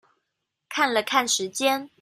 看了看時間